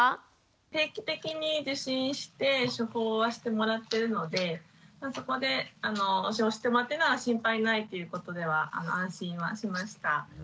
定期的に受診して処方はしてもらってるのでそこで処方してもらってるのは心配ないということでは安心はしました。